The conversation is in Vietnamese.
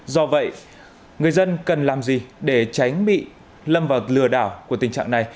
do vậy người dân cần làm gì để tránh bị lâm vào lừa đảo của tình trạng này